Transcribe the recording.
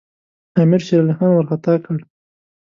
امیر شېرعلي خان وارخطا کړ.